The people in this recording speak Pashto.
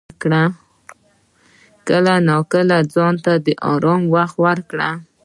کله ناکله ځان ته د آرام وخت ورکړه.